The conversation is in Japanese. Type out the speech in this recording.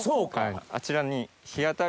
あちらに。